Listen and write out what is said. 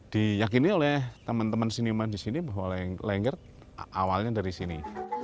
diyakini oleh teman teman seniman di sini bahwa lengger awalnya dari sini